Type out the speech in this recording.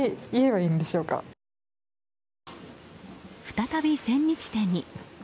再び千日手に。